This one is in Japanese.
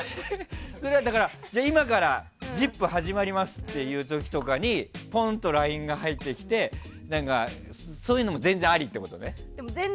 今から「ＺＩＰ！」始まりますとかいう時にポンッとＬＩＮＥが入ってきてそういうのも全然ありってことね？